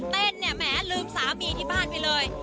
เนี่ยแหมลืมสามีที่บ้านไปเลย